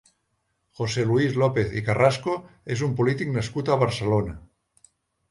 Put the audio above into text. José Luis López i Carrasco és un polític nascut a Barcelona.